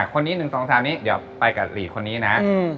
คนนี้๑๒๓นี้เดี๋ยวไปกับหลีกคนนี้นะ